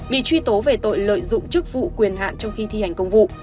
bị truy tố về tội lợi dụng chức vụ quyền hạn trong khi thi hành công vụ